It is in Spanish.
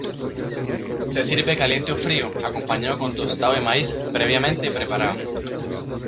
Se sirve caliente o frío acompañado con tostado de maíz previamente preparado.